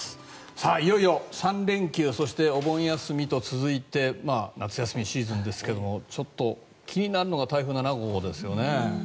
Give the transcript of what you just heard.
さあ、いよいよ３連休そしてお盆休みと続いて夏休みシーズンですがちょっと気になるのが台風７号ですよね。